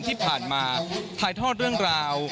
ที่ผ่านมาถ่ายทอดเรื่องราว